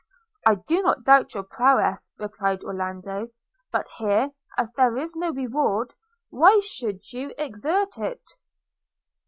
'I do not doubt your prowess,' replied Orlando; 'but here, as there is no reward, why should you exert it?'